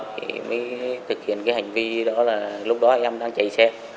thì mới thực hiện cái hành vi đó là lúc đó em đang chạy xe